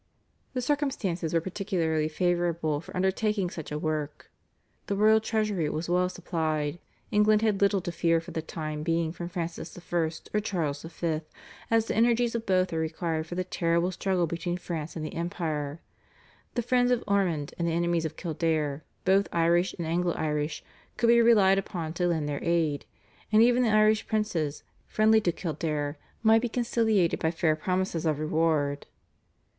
The circumstances were particularly favourable for undertaking such a work. The royal treasury was well supplied; England had little to fear for the time being from Francis I. or Charles V., as the energies of both were required for the terrible struggle between France and the Empire; the friends of Ormond and the enemies of Kildare, both Irish and Anglo Irish, could be relied upon to lend their aid, and even the Irish princes friendly to Kildare might be conciliated by fair promises of reward.